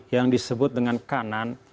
yang disebut dengan kanan